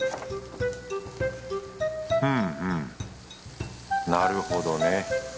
うんうんなるほどね。